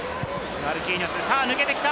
マルキーニョス、さぁ抜けてきた！